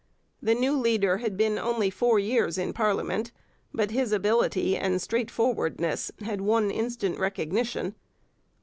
The new leader had been only four years in parliament, but his ability and straightforwardness had won instant recognition.